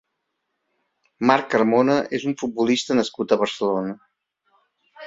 Marc Carmona és un futbolista nascut a Barcelona.